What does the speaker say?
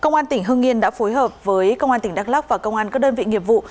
công an tỉnh hưng yên đã phối hợp với công an tỉnh đắk lắc và công an các đơn vị nghiệp vụ